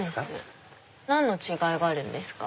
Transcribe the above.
何の違いがあるんですか？